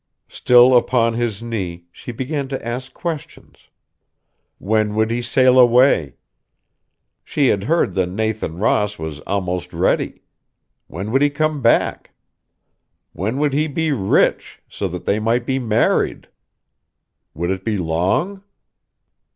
Still upon his knee, she began to ask questions. When would he sail away? She had heard the Nathan Ross was almost ready. When would he come back? When would he be rich, so that they might be married? Would it be long?...